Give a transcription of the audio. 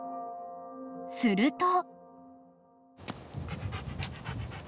［すると］